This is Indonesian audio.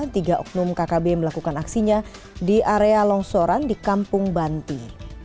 tiga oknum kkb melakukan aksinya di area longsoran di kampung banti